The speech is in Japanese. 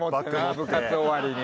部活終わりに。